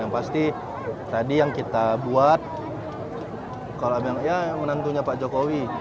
yang pasti tadi yang kita buat kalau bilang ya menantunya pak jokowi